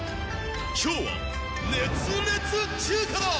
今日は熱烈中華だ。